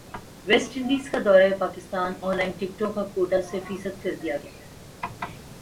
waste Indies کا دورہ Pakistan online ٹکٹوں کاکوٹہ سے فیصد کردیاگیا